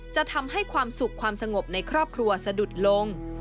จะทำให้ความสุขความสงบในครอบครัวสะดุดลง